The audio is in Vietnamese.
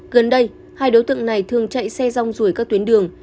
gần đây hai đối tượng này thường chạy xe rong rủi các tuyến đường